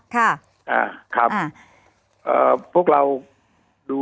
ครับพวกเรา